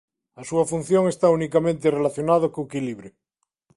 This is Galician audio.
A súa función está unicamente relacionada co equilibrio.